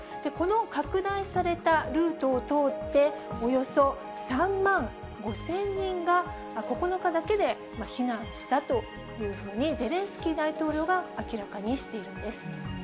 この拡大されたルートを通って、およそ３万５０００人が、９日だけで避難したというふうに、ゼレンスキー大統領が明らかにしているんです。